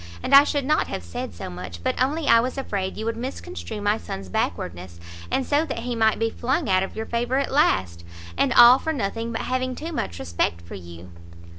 And I should not have said so much, but only I was afraid you would misconstrue my son's backwardness, and so that he might be flung out of your favour at last, and all for nothing but having too much respect for you."